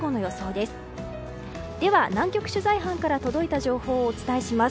では、南極取材班から届いた情報をお伝えします。